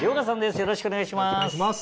よろしくお願いします。